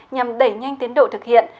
nhằm đẩy nhanh tiến độ thực hiện